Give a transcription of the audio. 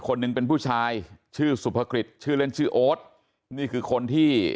คนหนึ่งเป็นผู้ชายชื่อสุภกฤษชื่อเล่นชื่อโอ๊ตนี่คือคนที่